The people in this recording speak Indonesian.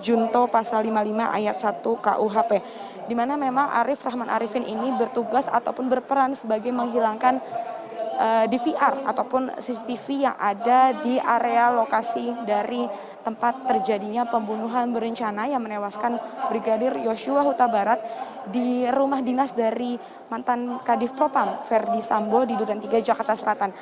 junto pasal lima puluh lima ayat satu kuhp dimana memang arief rahman arifin ini bertugas ataupun berperan sebagai menghilangkan dvr ataupun cctv yang ada di area lokasi dari tempat terjadinya pembunuhan berencana yang menewaskan brigadir joshua huta barat di rumah dinas dari mantan kadif propang verdi sambo di dutan tiga jakarta selatan